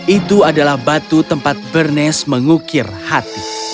itu adalah batu tempat bernes mengukir hati